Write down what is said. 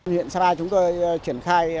huyện sapa chúng tôi triển khai